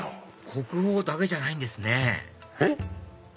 国宝だけじゃないんですねえっ？